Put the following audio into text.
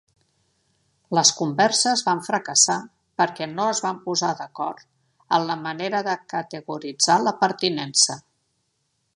Les converses van fracassar perquè no es van posar d'acord en la manera de categoritzar la pertinença.